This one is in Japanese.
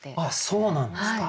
そうなんですか。